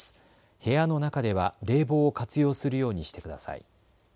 部屋の中では冷房を活用するようにしてください。